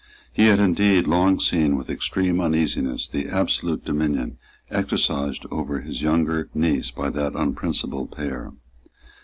He had indeed long seen with extreme uneasiness the absolute dominion exercised over his younger niece by that unprincipled pair.